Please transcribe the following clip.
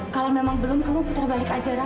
kalau memang belum kamu putar balik aja lah